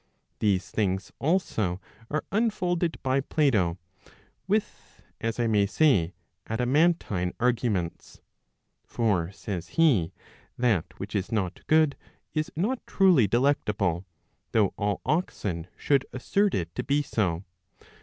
These things also are unfolded by Plato with, as I may say, adamantine arguments. For says he that which is not good is not f truly] delectable, though all oxen should assert it to be so.